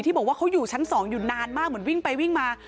บอกว่าเขาอยู่ชั้น๒อยู่นานมากเหมือนวิ่งไปวิ่งมา